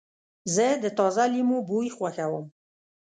زه د تازه لیمو بوی خوښوم.